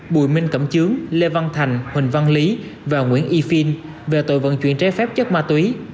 bùi minh cẩm chướng lê văn thành huỳnh văn lý và nguyễn yn về tội vận chuyển trái phép chất ma túy